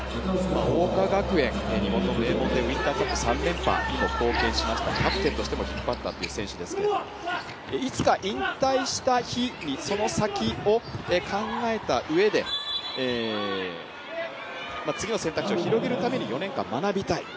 桜花学園大学、日本で過去、高校３連覇にも貢献しました、キャプテンとしても引っ張った選手ですけどいつか引退した日にその先を考えたうえで次の選択肢を広げるために４年間学びたいと。